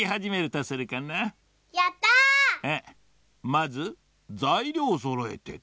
まずざいりょうをそろえてと。